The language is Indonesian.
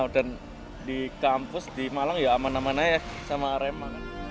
dan di kampus di malang ya aman aman aja sama arema